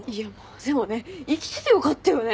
でもね生きててよかったよね。